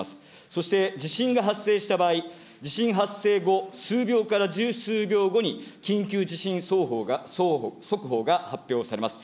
そして地震が発生した場合、地震発生後、数秒から十数秒後に、緊急地震速報が発表されます。